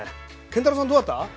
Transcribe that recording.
建太郎さんどうだった？